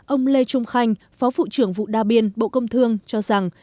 ông lê trung khanh phó phụ trưởng vụ đa biên bộ công thương cho rằng